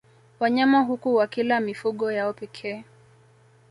Wanyama huku wakila mifugo yao pekee